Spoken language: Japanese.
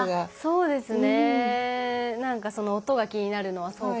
そうですね。